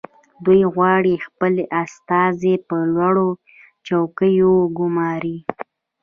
دوی غواړي خپل استازي په لوړو چوکیو وګماري